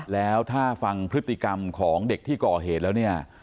แล้วถ้าฟังพฤติกรรมของเด็กที่ก่อเหตุแล้วเนี่ย